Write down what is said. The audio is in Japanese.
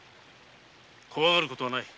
怖がることはない。